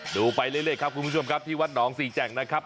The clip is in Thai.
ดูไปเรื่อยครับคุณผู้ชมครับที่วัดหนองสี่แจ่งนะครับ